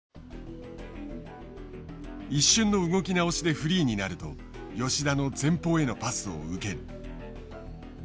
一瞬の動き直しでフリーになると吉田の前方へのパスを受ける。